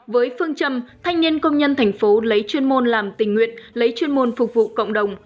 với phương châm thanh niên công nhân thành phố lấy chuyên môn làm tình nguyện lấy chuyên môn phục vụ cộng đồng